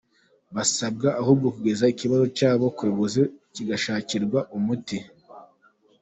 Basabwa ahubwo kigeza ikibazo cyabo ku bayobozi kigashakirwa umuti.